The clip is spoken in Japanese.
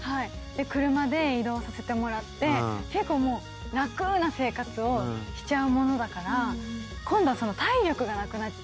車で移動させてもらって結構もう楽な生活をしちゃうものだから今度は。